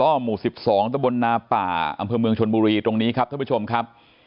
หมู่๑๒ตะบนนาป่าอำเภอเมืองชนบุรีตรงนี้ครับท่านผู้ชมครับ